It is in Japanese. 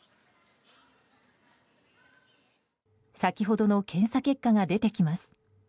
先ほどの検査結果が出てきます。